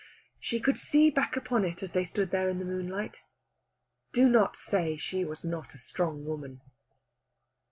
She could see back upon it as they stood there in the moonlight. Do not say she was not a strong woman.